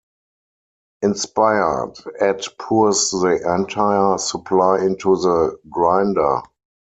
Inspired, Ed pours the entire supply into the grinder.